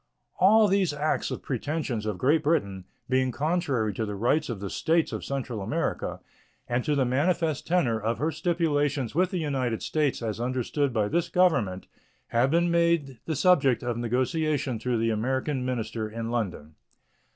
All these acts or pretensions of Great Britain, being contrary to the rights of the States of Central America and to the manifest tenor of her stipulations with the United States as understood by this Government, have been made the subject of negotiation through the American minister in London.